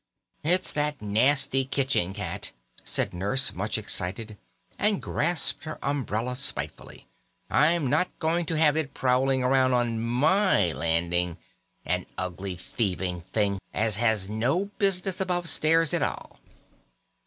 "It's that nasty kitchen cat," said Nurse, much excited, and grasping her umbrella spitefully. "I'm not going to have it prowling about on my landing. An ugly thieving thing, as has no business above stairs at all."